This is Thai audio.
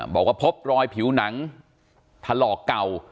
บอกว่าพบรอยผิวหนังถลอกเก่า